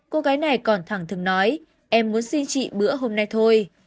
cô gái này còn thẳng thường nói em muốn xin chị bữa hôm nay thôi